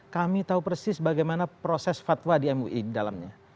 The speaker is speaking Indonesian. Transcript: kami tahu persis bagaimana proses fatwa di mui di dalamnya